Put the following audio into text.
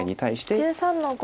黒１３の五。